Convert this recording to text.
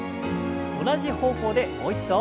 同じ方向でもう一度。